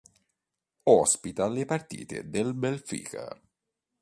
Ospita le partite del Benfica.